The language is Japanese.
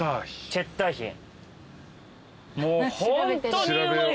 チェッターヒン。